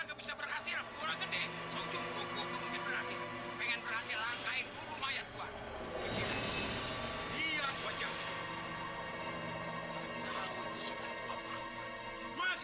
ngapain abang megang megang muka aja